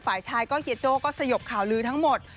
ฝ่ายชายก็เฮียโจ้ก็สยบข่าวลือทั้งหมด